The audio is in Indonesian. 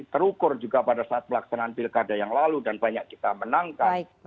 terukur juga pada saat pelaksanaan pilkada yang lalu dan banyak kita menangkan